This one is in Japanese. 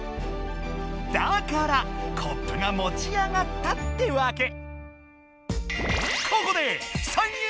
だからコップがもち上がったってわけ。